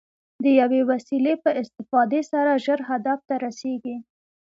د یوې وسیلې په استفادې سره ژر هدف ته رسېږي.